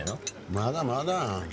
まだまだ！